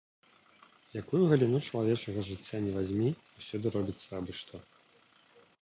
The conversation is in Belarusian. Якую галіну чалавечага жыцця ні вазьмі, усюды робіцца абы-што.